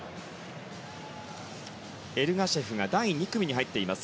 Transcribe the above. エルガシェフが第２組に入っています。